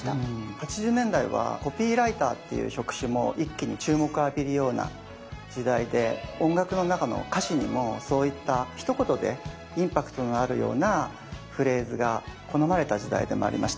８０年代はコピーライターっていう職種も一気に注目を浴びるような時代で音楽の中の歌詞にもそういったひと言でインパクトのあるようなフレーズが好まれた時代でもありました。